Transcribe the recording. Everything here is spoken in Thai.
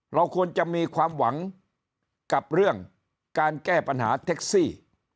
เราควรจะมีความหวังกับเรื่องการแก้ปัญหาแท็กซี่